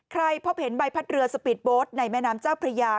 พบเห็นใบพัดเรือสปีดโบสต์ในแม่น้ำเจ้าพระยา